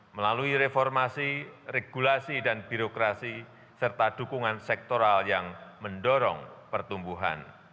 melalui reformasi regulasi dan birokrasi serta dukungan sektoral yang mendorong pertumbuhan